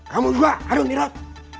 kamu juga harus mirap